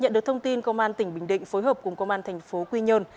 nhận được thông tin công an tỉnh bình định phối hợp cùng công an tp quy nhơn